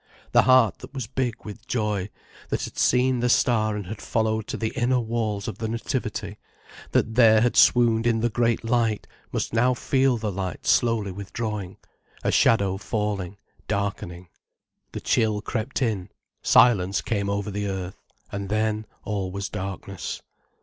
The heart that was big with joy, that had seen the star and had followed to the inner walls of the Nativity, that there had swooned in the great light, must now feel the light slowly withdrawing, a shadow falling, darkening. The chill crept in, silence came over the earth, and then all was darkness.